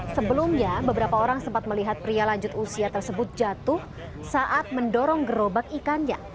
sebelumnya beberapa orang sempat melihat pria lanjut usia tersebut jatuh saat mendorong gerobak ikannya